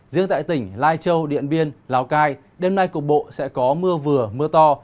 riêng tại tỉnh lai châu điện biên lào cai đêm nay cục bộ sẽ có mưa vừa mưa to